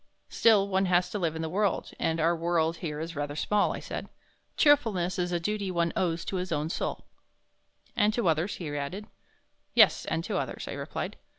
"Still one has to live in the world and our world here is rather small," I said. "Cheerfulness is a duty one owes to his own soul." "And to others," he added. "Yes, and to others," I replied.